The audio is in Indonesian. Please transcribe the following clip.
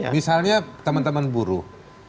misalnya teman teman buruh